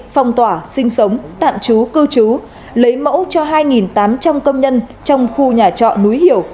phong tỏa sinh sống tạm trú cư trú lấy mẫu cho hai tám trăm linh công nhân trong khu nhà trọ núi hiểu